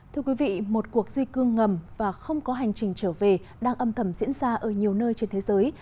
thưa quý vị một cuộc di cư ngầm và không có hành trình trở về đang âm thầm diễn ra ở nhiều nơi trên thế giới